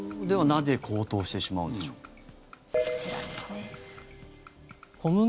では、なぜ高騰してしまうのでしょうか。